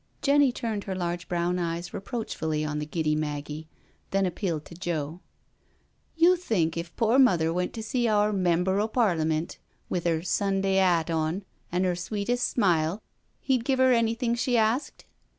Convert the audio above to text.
Jenny turned het large brown eyes reproachfully on the giddy Maggie, then appealed to Joe. " You think if pore mother went to see our Member o' Parliment with 'er Sunday 'at on, an' 'er sweetest smile, he'd give 'er anything she asked?"